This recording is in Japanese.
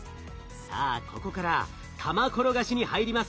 さあここから玉転がしに入ります。